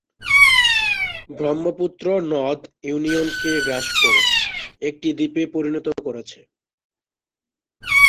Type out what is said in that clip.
ব্রহ্মপুত্র নদ ইউনিয়নকে গ্রাস করে একটি দ্বীপে পরিনত করেছে।